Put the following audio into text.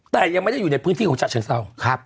แต่ยังไม่ได้อยู่ในพื้นที่ของฉะเชิงเศร้า